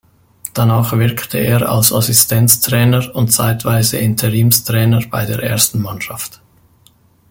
Danach wirkte er als Assistenztrainer und zeitweise Interimstrainer bei der ersten Mannschaft.